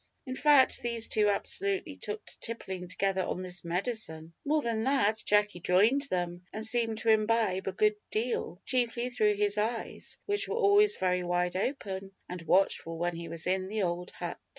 In fact, these two absolutely took to tippling together on this medicine. More than that, Jacky joined them, and seemed to imbibe a good deal chiefly through his eyes, which were always very wide open and watchful when he was in the old hut.